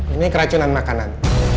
ini keracunan makanan